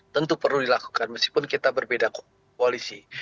tentu perlu dilakukan meskipun kita berbeda koalisi